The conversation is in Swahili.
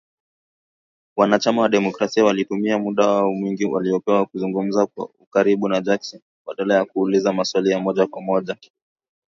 Wana Chama wa demokrasia walitumia muda wao mwingi waliopewa kuzungumza kwa ukaribu na Jackson, badala ya kuuliza maswali ya moja kwa moja .